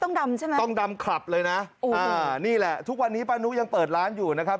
ดำใช่ไหมต้องดำคลับเลยนะโอ้อ่านี่แหละทุกวันนี้ป้านุยังเปิดร้านอยู่นะครับ